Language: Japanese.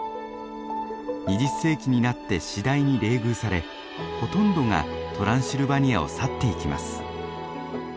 ２０世紀になって次第に冷遇されほとんどがトランシルバニアを去っていきます。